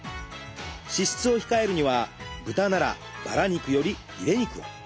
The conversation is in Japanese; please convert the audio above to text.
脂質を控えるには豚ならバラ肉よりヒレ肉を。